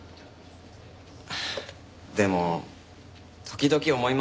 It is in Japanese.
でも時々思います。